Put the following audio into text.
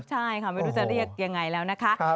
ใช่ค่ะไม่รู้จะเรียกยังไงแล้วนะคะ